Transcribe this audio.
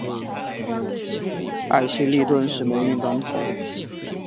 艾希莉顿时霉运当头。